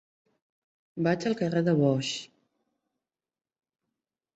Vaig al carrer de Bosch.